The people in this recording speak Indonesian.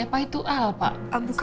apa itu al pak